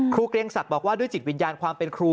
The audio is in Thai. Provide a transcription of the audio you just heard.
เกรงศักดิ์บอกว่าด้วยจิตวิญญาณความเป็นครู